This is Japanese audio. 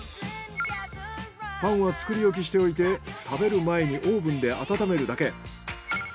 パンは作り置きしておいて食べる前にオーブンで温めるだけ。